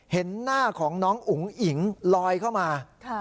เห็นหน้าของน้องอุ๋งอิ๋งลอยเข้ามา